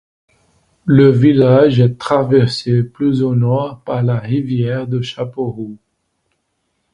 Le village est traversé plus au nord par la rivière du Chapeauroux.